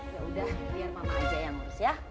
yaudah biar mama aja yang ngurus ya